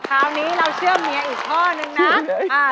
คราวนี้เราเชื่อเมียอีกข้อนึงนะ